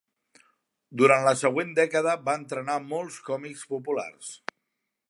Durant la següent dècada va entrenar mols còmics populars.